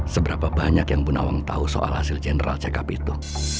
seberapa banyak yang bu nawang tahu soal hasil general check up itu